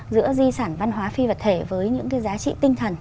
giữa di sản văn hóa phi vật thể với những cái giá trị tinh thần